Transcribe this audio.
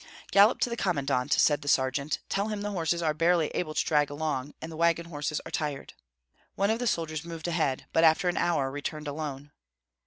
"Gallop to the commandant," said the sergeant; "tell him the horses are barely able to drag along, and the wagon horses are tired." One of the soldiers moved ahead, but after an hour returned alone.